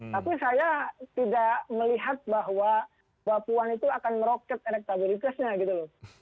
tapi saya tidak melihat bahwa mbak puan itu akan meroket elektabilitasnya gitu loh